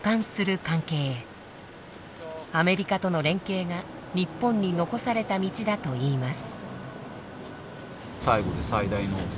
アメリカとの連携が日本に残された道だといいます。